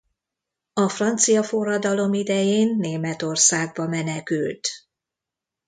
A francia forradalom idején Németországba menekült.